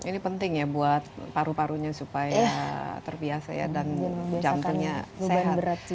ini penting ya buat paru parunya supaya terbiasa ya dan jantungnya sehat